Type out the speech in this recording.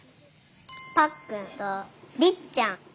ぱっくんとりっちゃん。